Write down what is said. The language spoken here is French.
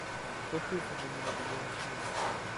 Top peu sont venus nous donner un coup de main.